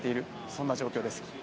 そんな状況です。